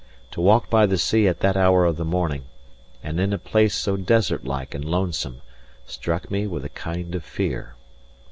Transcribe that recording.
To walk by the sea at that hour of the morning, and in a place so desert like and lonesome, struck me with a kind of fear.